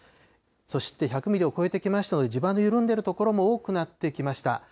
そして１００ミリを超えてきましたので、地盤の緩んでいる所も多くなってきました。